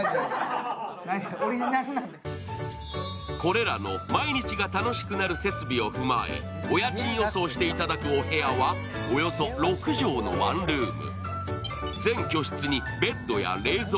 これらの毎日が楽しくなる設備を踏まえお家賃予想していただくお部屋はおよそ６畳のワンルーム。